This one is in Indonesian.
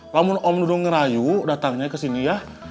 lamun om dudung ngerayu datangnya ke sini ya